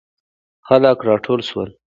خلک راټول سول.